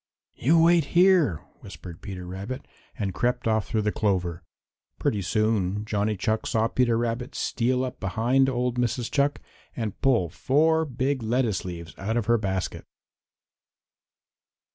"You wait here," whispered Peter Rabbit, and crept off through the clover. Pretty soon Johnny Chuck saw Peter Rabbit steal up behind old Mrs. Chuck and pull four big lettuce leaves out of her basket.